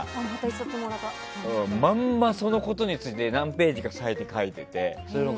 まんま、そのことについて何ページか割いて書いていて。